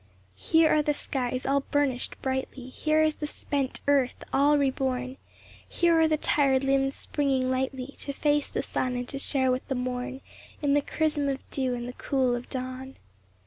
Here are the skies all burnished brightly, Here is the spent earth all re born, Here are the tired limbs springing lightly To face the sun and to share with the morn In the chrism of dew and the cool of dawn.